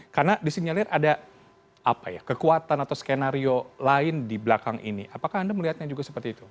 karena disini ada kekuatan atau skenario lain di belakang ini apakah anda melihatnya juga seperti itu